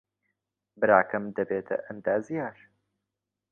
براکەم دەبێتە ئەندازیار.